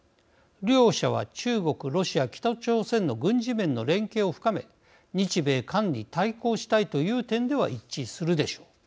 両者は、中国、ロシア、北朝鮮の軍事面の連携を深め日米韓に対抗したいという点では一致するでしょう。